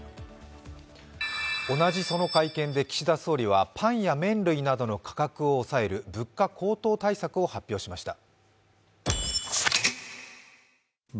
同じその会見で岸田総理はパンや麺類などの価格を抑える物価高騰対策を発表しました。